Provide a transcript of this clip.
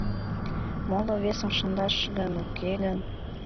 Моло-весым шындаш гын, уке гын?